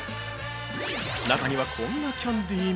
中には、こんなキャンディも。